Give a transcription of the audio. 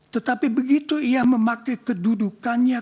tetapi begitu ia memakai kedudukannya